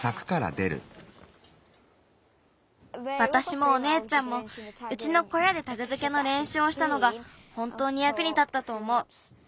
わたしもおねえちゃんもうちのこやでタグづけのれんしゅうをしたのがほんとうにやくにたったとおもう。